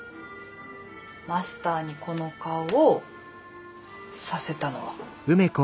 マスターにこの顔をさせたのは。